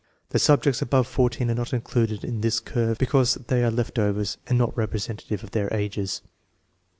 The subjects above 14 are not included in this curve be cause they are left overs and not representative of their ages.